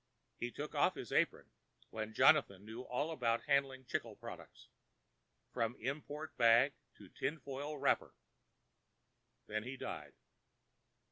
He took off his apron when Johann knew all about handling chicle products, from importing bag to tin foil wrapper. Then he died.